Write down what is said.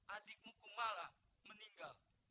adikmu pun malah meninggal